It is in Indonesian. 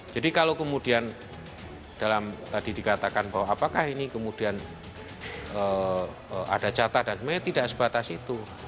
jadi kalau kemudian dalam tadi dikatakan bahwa apakah ini kemudian ada catatan memang tidak sebatas itu